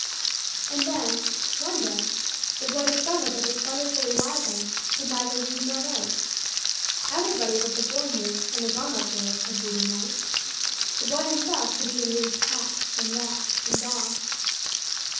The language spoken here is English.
And then, one day, the boy discovered that this wonderfully wise one could neither read nor write. Everybody that the boy knew, in the grown up world, could read and write. The boy himself could even read "cat" and "rat" and "dog."